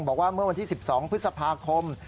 บอกว่าเมื่อวันที่๑๒พฤษภาคม